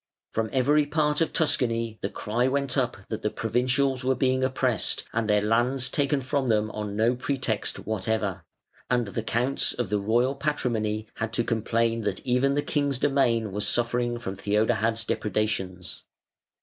From every part of Tuscany the cry went up that the provincials were being oppressed and their lands taken from them on no pretext whatever; and the Counts of the Royal Patrimony had to complain that even the king's domain was suffering from Theodahad's depredations.